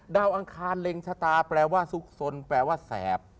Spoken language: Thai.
อังคารเล็งชะตาแปลว่าสุขสนแปลว่าแสบ